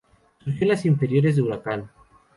Surgió en las inferiores de Huracán.